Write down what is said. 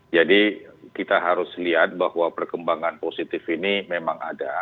jadi kita harus lihat bahwa perkembangan positif ini memang ada